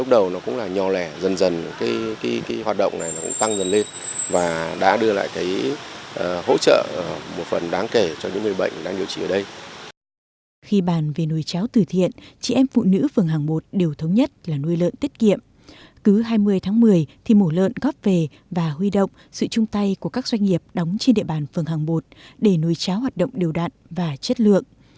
các doanh nghiệp đóng trên địa bàn phường hàng một để nuôi cháo hoạt động điều đạn và chất lượng